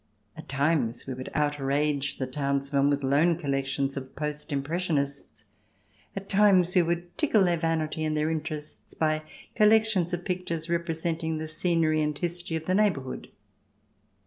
At times we would outrage the townsmen with loan collections of Post Impressionists ; at times we would tickle their vanity and their interests by col lections of pictures representing the scenery and the history of the neighbourhood.